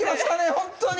本当に！